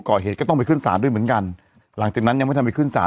ก่อเหตุก็ต้องไปขึ้นสารด้วยเหมือนกันหลังจากนั้นยังไม่ทำไปขึ้นสาร